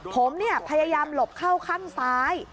ผมพยายามหลบเข้าข้างซ้าย